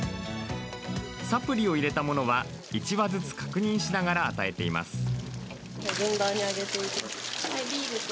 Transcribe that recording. サプリを入れたものは１羽ずつ確認しながら与えています。